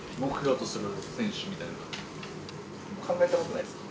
考えたことないっす。